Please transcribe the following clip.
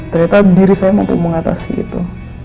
ternyata diri saya mampu mengatasi itu